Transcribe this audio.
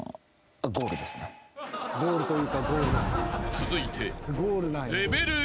［続いて］